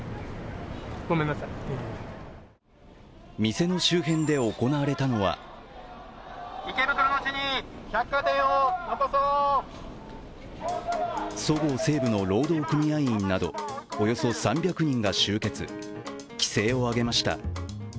店の周辺で行われたのはそごう・西武の労働組合員などおよそ３００人が集結、気勢を上げました。